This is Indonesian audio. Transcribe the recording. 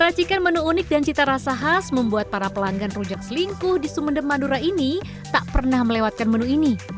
racikan menu unik dan cita rasa khas membuat para pelanggan rujak selingkuh di sumenem madura ini tak pernah melewatkan menu ini